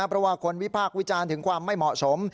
เพราะว่าคนวิพากษ์วิจารณ์ถึงความไม่เหมาะสม